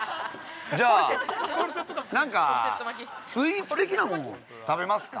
◆じゃあ、なんかスイーツ的なもの食べますか。